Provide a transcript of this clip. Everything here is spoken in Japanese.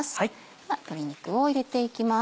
では鶏肉を入れていきます。